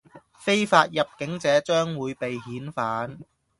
非法入境者將會被遣返